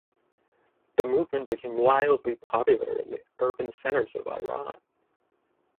The movement became wildly popular in urban centers of Iran.